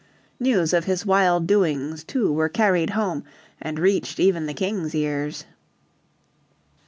News of his wild doings, too, were carried home, and reached even the King's ears.